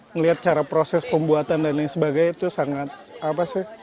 ngelihat cara proses pembuatan dan lain sebagainya itu sangat apa sih